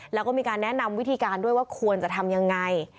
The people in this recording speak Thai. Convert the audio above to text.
แล้วก็มีการแนะนำวิธีการด้วยว่าควรจะทำยังไง